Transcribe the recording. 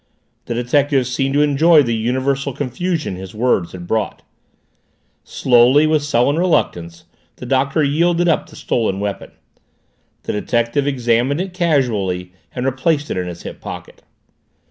The detective seemed to enjoy the universal confusion his words had brought. Slowly, with sullen reluctance, the Doctor yielded up the stolen weapon. The detective examined it casually and replaced it in his hip pocket.